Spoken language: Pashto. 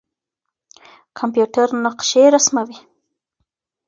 کمپيوټر نقشې رسموي.